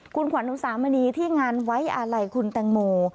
คุณขวัญอุสามณีที่งานไว้อาลัยคุณแตงโม